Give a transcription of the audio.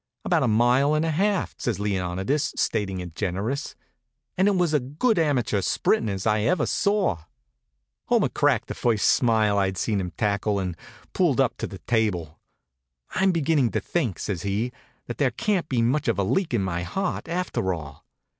"About a mile and a half," says Leonidas, stating it generous. "And it was as good amateur sprinting as I ever saw." Homer cracked the first smile I'd seen him tackle and pulled up to the table. "I'm beginning to think," says he, "that there can't be much of a leak in my heart, after all.